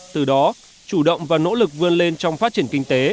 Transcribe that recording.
từ đó chủ động và nỗ lực vươn lên trong phát triển kinh tế